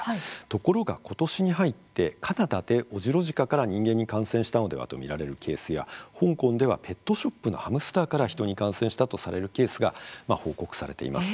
ところが、ことしに入ってカナダでオジロジカから人間に感染したのではと見られるケースや香港ではペットショップのハムスターから人に感染したとされるケースが報告されています。